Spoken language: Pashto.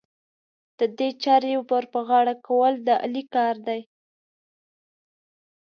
د دې چارې ور پر غاړه کول، د علي کار دی.